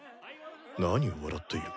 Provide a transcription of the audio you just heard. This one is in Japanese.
何を笑っている。